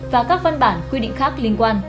và các văn bản quy định khác liên quan